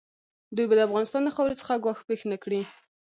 دوی به د افغانستان خاورې څخه ګواښ پېښ نه کړي.